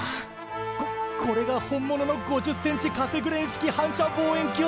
ここれが本物の５０ｃｍカセグレン式反射望遠鏡！